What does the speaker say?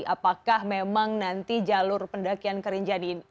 apakah memang nanti jalur pendakian kerinjani ini akan diambil